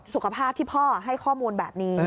สุขภาพที่พ่อให้ข้อมูลแบบนี้